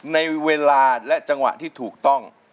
ในเวลาและจังหวะที่ถูกต้อง